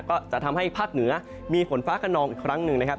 ก็จะทำให้ภาคเหนือมีฝนฟ้าขนองอีกครั้งหนึ่งนะครับ